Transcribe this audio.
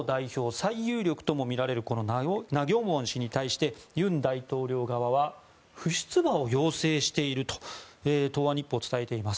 最有力ともみられるナ・ギョンウォン氏に対して尹大統領側は不出馬を要請していると東亜日報は伝えています。